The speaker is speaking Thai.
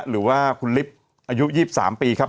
หรือว่าคุณลิฟท์อายุยี่สามปีครับ